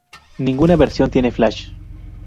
Ninguna versión tiene flash.